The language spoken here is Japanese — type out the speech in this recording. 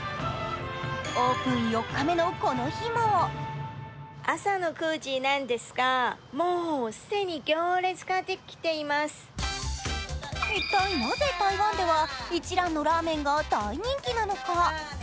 オープン４日目のこの日も一体なぜ台湾では一蘭のラーメンが大人気なのか？